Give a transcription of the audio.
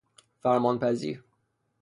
فرمان پذیر